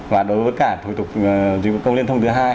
và đối với cả thủ tục dịch vụ công liên thông thứ hai